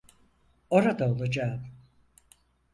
Orada olacağım.